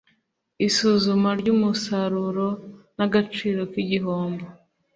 isuzuma ry umusaruro n agaciro k igihombo